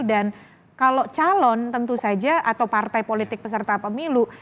dan kalau calon tentu saja atau partai politik peserta pemilu